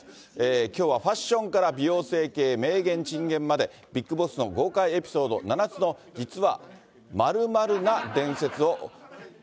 きょうはファッションから美容整形、名言、珍言まで、ビッグボスの豪快エピソード、こんにちは。